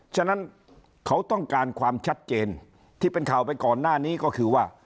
ฉะนั้นเขาต้องการความชัดเจนที่เป็นข่าวไปก่อนหน้านี้ก็คือว่า